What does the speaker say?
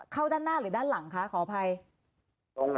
เข้าด้านหน้าหรือด้านหลังคะขออภัย